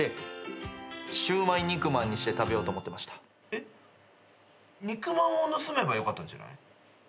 えっ肉まんを盗めばよかったんじゃない？